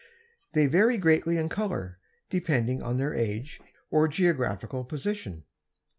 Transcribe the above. They vary greatly in color, depending on their age or geographical position.